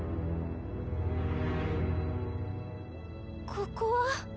ここは？